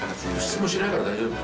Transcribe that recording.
質問しないから大丈夫。